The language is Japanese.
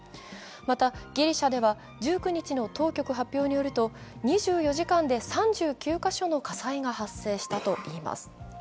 また、ギリシャでは１９日の当局初によると、２４時間で３９カ所の火災が発生したといいます。